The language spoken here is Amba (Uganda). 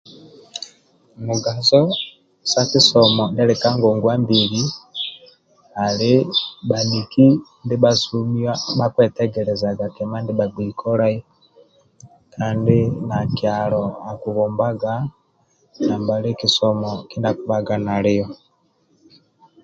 Mugaso sa kisomo ndia ali ka ngongwa mbili ali bhaniki ndibha somia bhakuetegelezaga ndibha gbei kolai kandi na kialo akibombaga nambali kisomo kinda akibhaga nalio